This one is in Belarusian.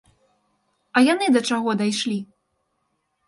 А яны да чаго дайшлі?